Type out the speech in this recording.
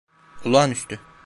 Olağanüstü.